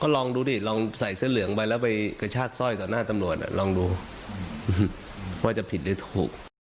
ลองดูดิลองใส่เสื้อเหลืองไปแล้วไปกระชากสร้อยต่อหน้าตำรวจลองดูว่าจะผิดหรือถูก